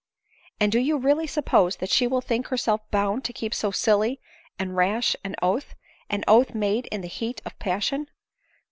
" And do you really suppose that she will think herself bound to keep so silly and rash an oath ; an oath made in the heat of passion